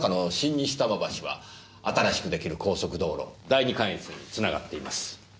西多摩橋は新しく出来る高速道路第二関越に繋がっています。